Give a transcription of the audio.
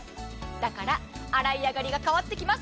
だから洗い上がりが変わってきます。